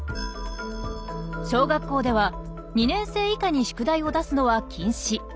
小学校では２年生以下に宿題を出すのは禁止。